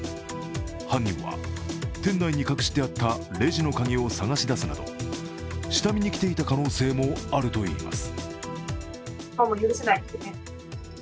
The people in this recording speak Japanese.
犯人は店内に隠してあったレジの鍵を探し出すなど、下見に来ていた可能性もあるといいます。